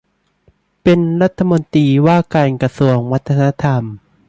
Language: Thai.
เป็นรัฐมนตรีว่าการกระทรวงวัฒนธรรม